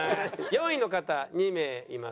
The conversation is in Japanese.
４位の方２名います。